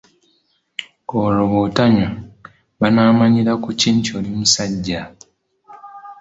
Olwo bw'otanywa banaamanyira ku ki nti oli musajja?